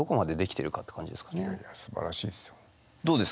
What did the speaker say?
いやいやすばらしいですよ。